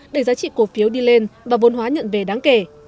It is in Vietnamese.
để giá trị cổ phiếu đi lên và vốn hóa nhận về đáng kể